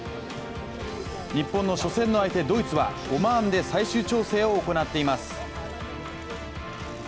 日本の初戦の相手・ドイツはオマーンで最終調整を行っています。